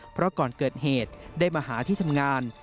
เพราะก่อนเกิดเหตุได้มาหาที่ทำงาน